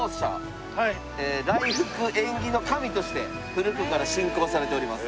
来福縁起の神として古くから信仰されております。